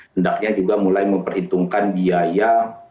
hendaknya juga mulai memperhitungkan biaya